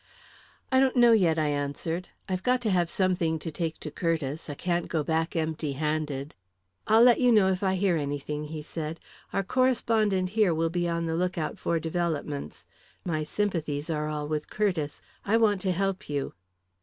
"I don't know, yet," I answered. "I've got to have something to take to Curtiss. I can't go back empty handed." "I'll let you know if I hear anything," he said. "Our correspondent here will be on the lookout for developments. My sympathies are all with Curtiss. I want to help you."